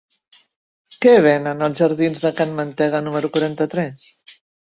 Què venen als jardins de Can Mantega número quaranta-tres?